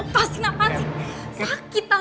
pas kenapa sih sakit tangan gue